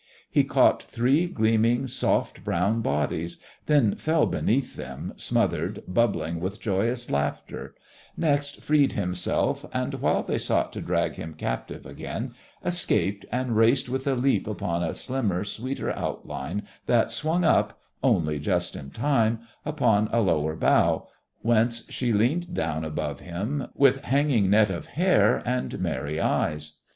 He caught three gleaming soft brown bodies, then fell beneath them, smothered, bubbling with joyous laughter next freed himself and, while they sought to drag him captive again, escaped and raced with a leap upon a slimmer, sweeter outline that swung up only just in time upon a lower bough, whence she leaned down above him with hanging net of hair and merry eyes.